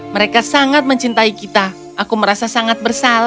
mereka sangat mencintai kita aku merasa sangat bersalah